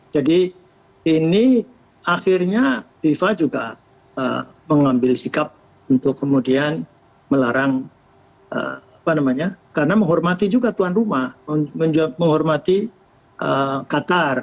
jadi ini akhirnya fifa juga mengambil sikap untuk kemudian melarang apa namanya karena menghormati juga tuan rumah menghormati qatar